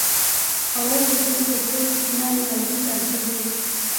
آواز د ژبې تر ټولو کوچنی غږیز عنصر دی